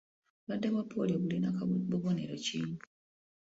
Obulwadde bwa pooliyo bulina bubonero ki?